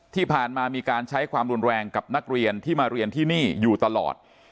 ที่ผ่านมามีการใช้ความรุนแรงกับนักเรียนที่มาเรียนที่นี่อยู่ตลอด